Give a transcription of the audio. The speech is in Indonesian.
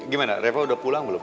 gimana reva udah pulang belum